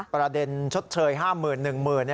ประเด็นชดเชย๕หมื่น๑หมื่น